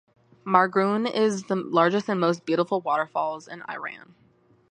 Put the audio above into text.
Margoon is one of the largest and most beautiful waterfalls in Iran.